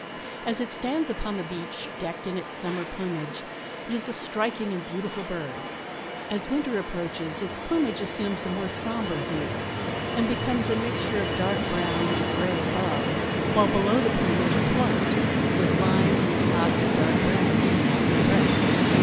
As it stands upon the beach, decked in its summer plumage, it is a striking and beautiful bird. As winter approaches its plumage assumes a more somber hue and becomes a mixture of dark brown and gray above, while below the plumage is white with lines and spots of dark brown on the neck and breast.